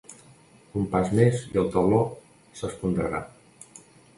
Un pas més i el tauló s'esfondrarà.